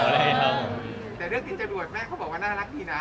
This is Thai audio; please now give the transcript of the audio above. แต่เรื่องกินจรวดแม่เขาบอกว่าน่ารักดีนะ